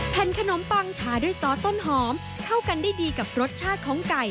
ขนมปังทาด้วยซอสต้นหอมเข้ากันได้ดีกับรสชาติของไก่